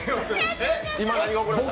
今何が起こりました。？